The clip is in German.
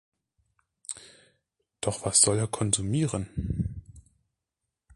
Doch was soll er konsumieren?